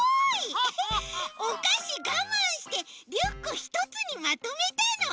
おかしがまんしてリュックひとつにまとめたの？